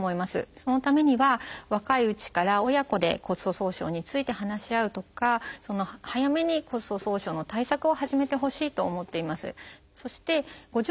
そのためには若いうちから親子で骨粗しょう症について話し合うとか早めに骨粗しょう症の対策を始めてほしいと思っています。